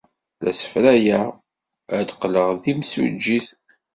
La ssefrayeɣ ad qqleɣ d timsujjit.